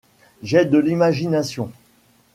J’ai de l’imagination.